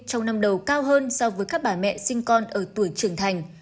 trong năm đầu cao hơn so với các bà mẹ sinh con ở tuổi trưởng thành